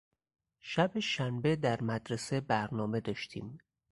شب شنبه در مدرسه برنامه داشتیم.